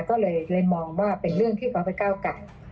ก็เลยมองว่าเป็นเรื่องที่ขาวไก่